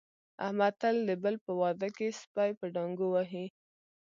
احمد تل د بل په واده کې سپي په ډانګو وهي.